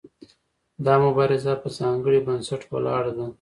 دا مبارزه په ځانګړي بنسټ ولاړه ده.